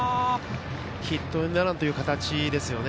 ヒットエンドランという形ですね。